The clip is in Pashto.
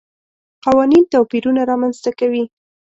قوانین توپیرونه رامنځته کوي.